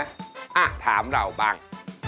อ่ะถามเราบ้าง